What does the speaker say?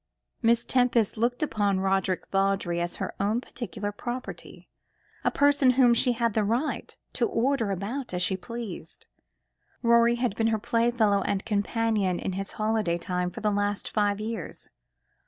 Miss Tempest looked upon Roderick Vawdrey as her own particular property a person whom she had the right to order about as she pleased. Rorie had been her playfellow and companion in his holiday time for the last five years.